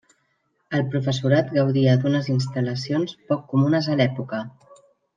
El professorat gaudia d'unes instal·lacions poc comunes a l'època.